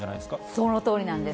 そのとおりなんです。